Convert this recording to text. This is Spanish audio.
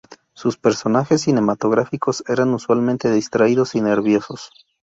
Sus personajes cinematográficos eran usualmente distraídos y nerviosos.